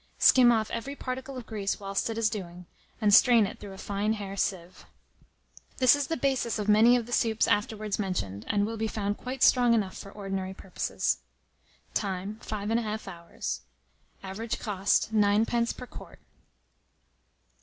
Skim off every particle of grease whilst it is doing, and strain it through a fine hair sieve. This is the basis of many of the soups afterwards mentioned, and will be found quite strong enough for ordinary purposes. Time. 5 1/2 hours. Average cost, 9d. per quart.